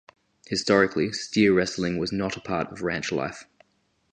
Historically, steer wrestling was not a part of ranch life.